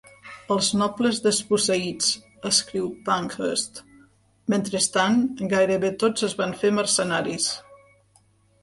"Els nobles desposseïts", escriu Pankhurst, "mentrestant, gairebé tots es van fer mercenaris".